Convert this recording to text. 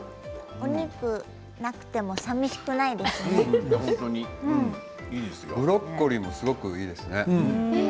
お肉がなくてもブロッコリーもすごくいいですね。